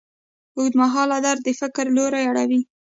اوږدمهاله درد د فکر لوری اړوي.